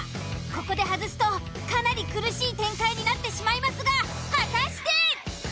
ここで外すとかなり苦しい展開になってしまいますが果たして！？